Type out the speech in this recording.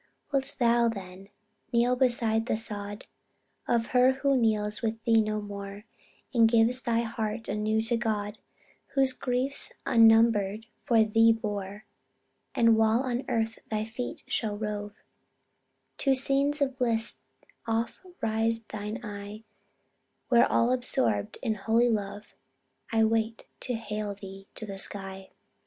Wilt thou, then, kneel beside the sod Of her who kneels with thee no more, And give thy heart anew to God, Who griefs unnumbered for thee bore? And while on earth thy feet shall rove, To scenes of bliss oft raise thine eye, Where, all absorbed in holy love, I wait to hail thee to the sky."